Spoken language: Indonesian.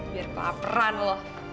biar keaperan lo